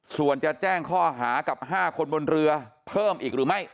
ส่วนจะแจ้งข้อหากับ๕คนบนเรือเพิ่มอีกหรือไม่